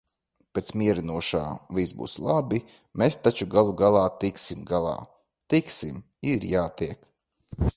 Pēc mierinošā "viss būs labi, mēs taču galu galā tiksim galā". Tiksim. Ir jātiek.